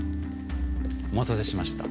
お待たせしました。